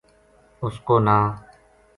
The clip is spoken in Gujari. اس کو ناں